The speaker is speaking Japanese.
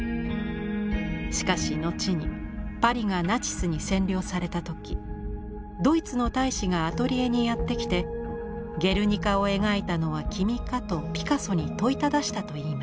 しかし後にパリがナチスに占領された時ドイツの大使がアトリエにやって来て「『ゲルニカ』を描いたのは君か」とピカソに問いただしたといいます。